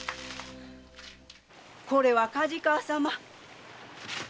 ・これは梶川様。